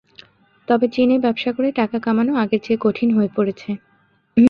তবে চীনে ব্যবসা করে টাকা কামানো আগের চেয়ে কঠিন হয়ে পড়েছে।